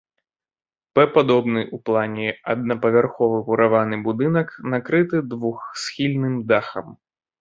П-падобны ў плане аднапавярховы мураваны будынак накрыты двухсхільным дахам.